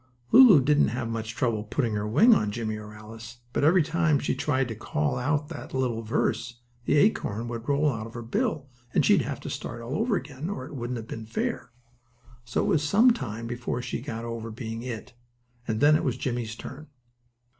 Lulu didn't have much trouble putting her wing on Jimmie or Alice, but, every time she tried to call out the little verse the acorn would roll out of her bill and she'd have to start all over again, or it wouldn't have been fair. So it was some time before she got over being "it," and then it was Jimmie's turn.